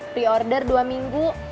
pre order dua minggu